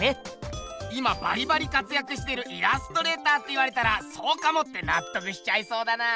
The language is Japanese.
今バリバリかつやくしてるイラストレーターって言われたら「そうかも」ってなっとくしちゃいそうだな。